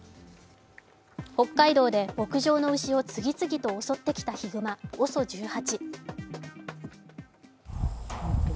北海道で牧場の牛を次々と襲ってきたヒグマ・ＯＳＯ１８。